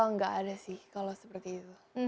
nggak ada sih kalau seperti itu